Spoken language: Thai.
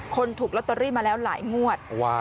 ถูกลอตเตอรี่มาแล้วหลายงวด